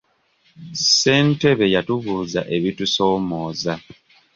Ssentebe yatubuuza ebitusoomooza.